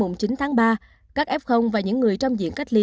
ngày chín tháng ba các f và những người trong diện cách ly